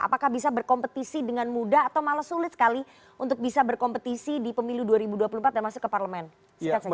apakah bisa berkompetisi dengan mudah atau malah sulit sekali untuk bisa berkompetisi di pemilu dua ribu dua puluh empat dan masuk ke parlemen singkat saja